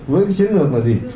với cái chiến lược là gì